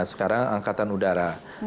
nah sekarang angkatan udara